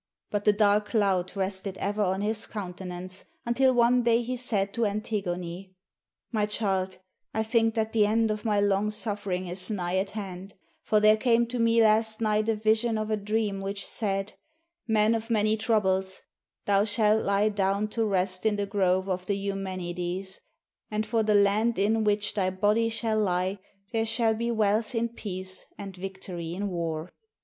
But the dark cloud rested ever on his countenance, until one day he said to Antigone, "My child, I think that the end of my long suffering is nigh at hand; for there came to me last night a vision of a dream which said, ' Man of many troubles, thou shalt lie down to rest in the grove of the Eumenides, and for the land in which thy body shall lie there shall be wealth in peace and victory in war.